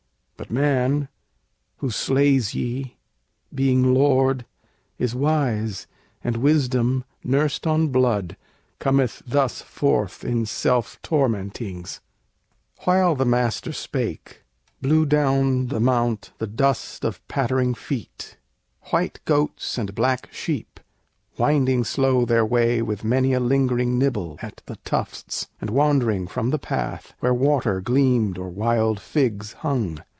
But man, who slays ye being lord is wise, And wisdom, nursed on blood, cometh thus forth In self tormentings!" While the Master spake Blew down the mount the dust of pattering feet, White goats and black sheep winding slow their way With many a lingering nibble at the tufts, And wanderings from the path, where water gleamed Or wild figs hung.